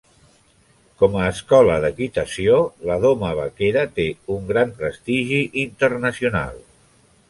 Com a escola d'equitació, la doma vaquera té un gran prestigi internacional.